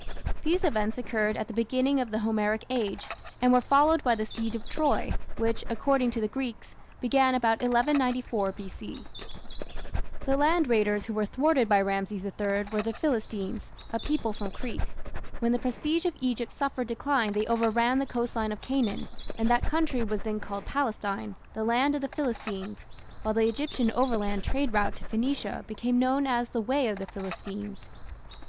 These events occurred at the beginning of the Homeric Age, and were followed by the siege of Troy, which, according to the Greeks, began about 1194 B.C. The land raiders who were thwarted by Rameses III were the Philistines, a people from Crete. When the prestige of Egypt suffered decline they overran the coastline of Canaan, and that country was then called Palestine, "the land of the Philistines", while the Egyptian overland trade route to Phoenicia became known as "the way of the Philistines".